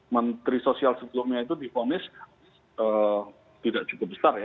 menteri sosial sebelumnya itu difonis tidak cukup besar ya